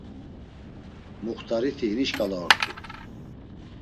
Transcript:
Muxt̆ariti hini şǩala ort̆u.